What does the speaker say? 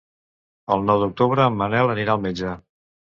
El nou d'octubre en Manel anirà al metge.